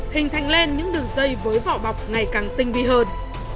hình thành lên những đường dây với vỏ bọc ngày càng tinh vi hơn